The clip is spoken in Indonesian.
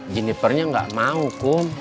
junipernya tidak mau kum